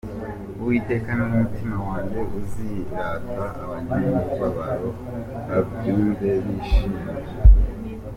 Uwiteka ni we umutima wanjye uzirata, Abanyamubabaro babyumve bishime.